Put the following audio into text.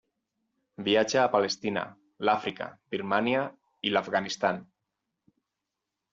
Viatja a Palestina, l'Àfrica, Birmània i l'Afganistan.